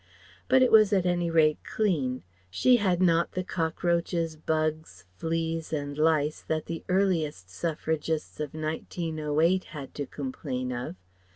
But it was at any rate clean. She had not the cockroaches, bugs, fleas and lice that the earliest Suffragists of 1908 had to complain of.